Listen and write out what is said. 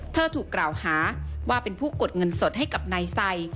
ถูกกล่าวหาว่าเป็นผู้กดเงินสดให้กับนายไซ